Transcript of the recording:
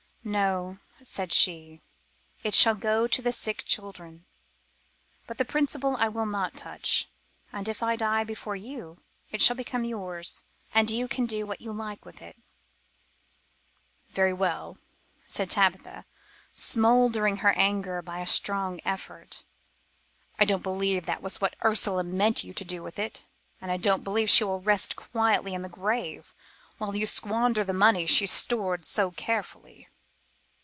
"No," said she, "it shall go to the sick children, but the principal I will not touch, and if I die before you it shall become yours and you can do what you like with it." "Very well," said Tabitha, smothering her anger by a strong effort; "I don't believe that was what Ursula meant you to do with it, and I don't believe she will rest quietly in the grave while you squander the money she stored so carefully."